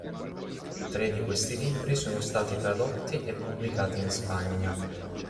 Tre di questi libri sono stati tradotti e pubblicati in Spagna.